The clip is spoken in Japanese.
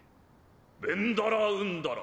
ベンダラウンダラ。